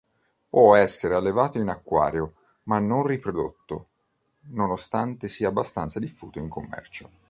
Può essere allevato in acquario, ma non riprodotto, nonostante sia abbastanza diffuso in commercio.